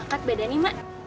angkat beda nih mak